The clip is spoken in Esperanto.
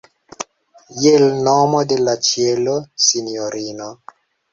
Je l' nomo de la ĉielo, sinjorino!